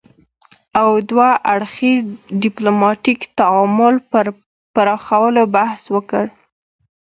او دوه اړخیز ديپلوماتيک تعامل پر پراخولو بحث وکړ